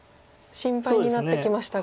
心配になってきましたが。